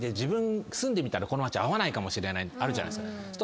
住んでみたらこの町合わないかもしれないってあるじゃない。